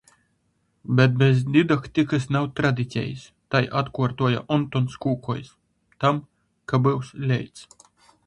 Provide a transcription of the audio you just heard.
Bet bez didaktikys nav tradicejis, – tai atkuortuoja Ontons Kūkojs. Tam, ka byus leits.